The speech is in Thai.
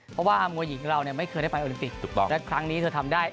เพราะว่ามวยหญิงเราเนี่ยไม่เคยได้ไปโอลิมปิกและครั้งนี้เธอทำได้